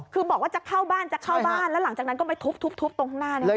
คือบอกว่าจะเข้าบ้านจะเข้าบ้านแล้วหลังจากนั้นก็ไปทุบตรงข้างหน้า